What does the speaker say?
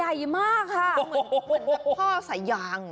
ใหญ่มากค่ะเหมือนแบบท่อสายาง